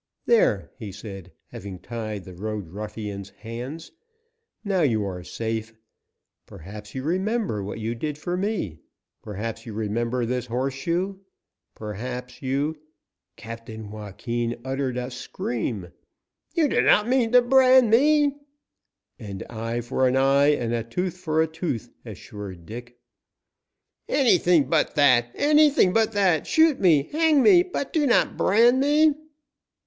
"There," he said, having tied the road ruffian's hands, "now you are safe. Perhaps you remember what you did for me. Perhaps you remember this horseshoe. Perhaps you " Captain Joaquin uttered a scream. "You do not mean to brand me!" "An eye for an eye, a tooth for a tooth," assured Dick. "Anything but that anything but that! Shoot me, hang me, but do not brand me!"